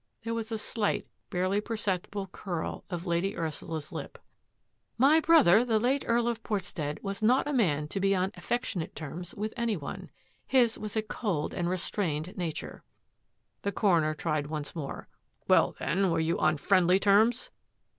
There was a slight, barely perceptible curl of Lady Ursula's lip. " My brother, the late Earl of Portstead, was not a man to be on affectionate terms with any one. His was a cold and restrained na ture." The coroner tried once more. "Well, then, were you on friendly terms?